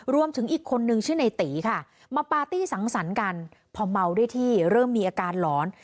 รวมถึงอีกคนนึงชื่อในตีค่ะมาปาร์ตี้สังสรรค์กันพอเมาได้ที่เริ่มมีอาการหลอน